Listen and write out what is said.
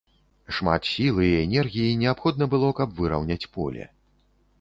Шмат сілы і энергіі неабходна было, каб выраўняць поле.